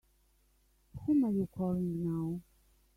Whom are you calling now?